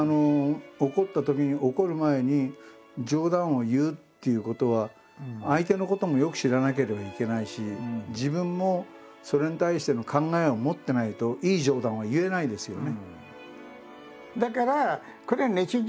怒ったときに怒る前に冗談を言うっていうことは相手のこともよく知らなければいけないし自分もそれに対しての考えを持ってないといい冗談は言えないですよね。